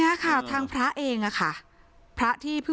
ไม่อยากให้มองแบบนั้นจบดราม่าสักทีได้ไหม